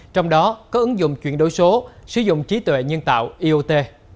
trong đó có ứng dụng chuyển đổi số sử dụng trí tuệ nhân tạo iot